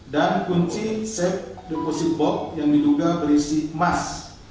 dan kunci safe deposit box yang diduga berisi emas